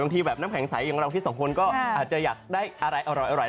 ทีแบบน้ำแข็งใสอย่างเราคิดสองคนก็อาจจะอยากได้อะไรอร่อย